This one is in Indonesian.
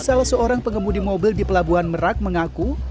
salah seorang pengemudi mobil di pelabuhan merak mengaku